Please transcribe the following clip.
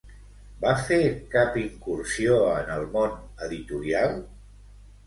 Va fer cap incursió en el món editorial?